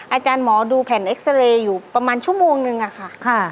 อาจารย์หมอดูแผ่นเอ็กซาเรย์อยู่ประมาณชั่วโมงนึงอะค่ะ